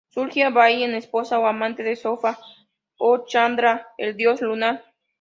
Surya Bai es esposa o amante de Soma o Chandra, el dios lunar.